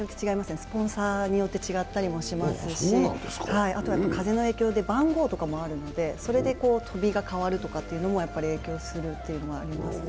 スポンサーによって違ったりもしますしあとは風の影響で番号とかもあるのでそれで飛びが変わるというのも影響するっていうのもありますね。